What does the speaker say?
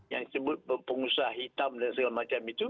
yang disebut pengusaha hitam dan sebagainya